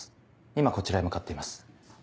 今こちらへ向かっています。